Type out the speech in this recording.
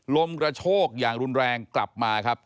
ลมกระโชกอย่างรุนแรงกลับมาครับ